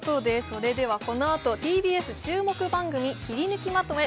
それではこのあとＴＢＳ注目番組キリヌキまとめ